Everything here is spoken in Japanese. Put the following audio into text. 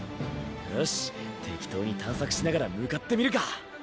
よし適当に探索しながら向かってみるか。